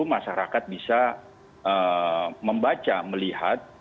masyarakat bisa membaca melihat